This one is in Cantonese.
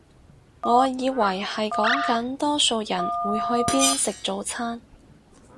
我以為係講緊多數人會去邊食早餐